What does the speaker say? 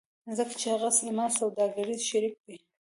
ځکه چې هغه زما سوداګریز شریک دی